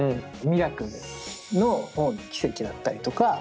ミラクルの方の「奇跡」だったりとか。